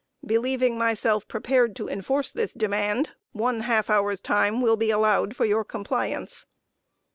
Believing myself prepared to enforce this demand, one half hour's time will be allowed for your compliance."